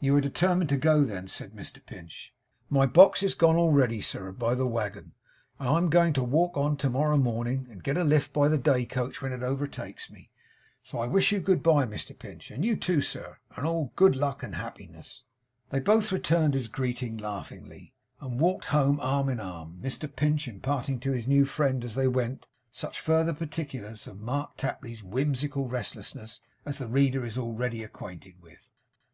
'You are determined to go then?' said Mr Pinch. 'My box is gone already, sir, by the waggon, and I'm going to walk on to morrow morning, and get a lift by the day coach when it overtakes me. So I wish you good bye, Mr Pinch and you too, sir and all good luck and happiness!' They both returned his greeting laughingly, and walked home arm in arm. Mr Pinch imparting to his new friend, as they went, such further particulars of Mark Tapley's whimsical restlessness as the reader is already acquainted with.